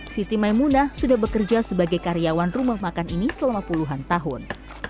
siti maimunah sudah bekerja sebagai karyawan rumah makan ini selama puluhan tahun